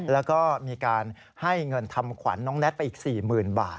แล้วก็มีการให้เงินทำขวัญน้องแน็ตไปอีก๔๐๐๐บาท